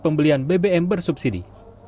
pembelian bbm bersubsidi